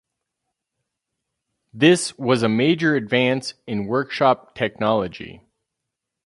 This was a major advance in workshop technology.